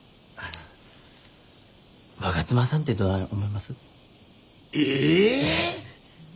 我妻さんってどない思います？え？